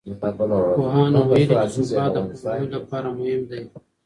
پوهانو ويلي چي ثبات د پانګوني لپاره مهم دی.